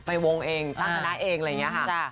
วงเองตั้งคณะเองอะไรอย่างนี้ค่ะ